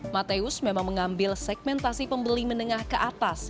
mateus memang mengambil segmentasi pembeli menengah ke atas